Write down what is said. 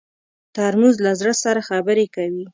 ترموز له زړه سره خبرې کوي.